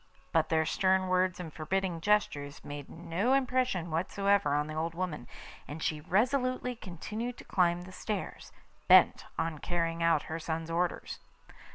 But their stern words and forbidding gestures made no impression whatever on the old woman, and she resolutely continued to climb the stairs, bent on carrying out her son's orders.